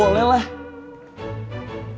kan gue udah bilangnya banyak